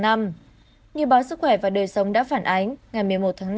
như báo sức khỏe và đời sống đã phản ánh ngày một mươi một tháng năm